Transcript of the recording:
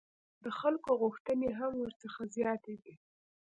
د خلکو غوښتنې هم ورڅخه زیاتې دي.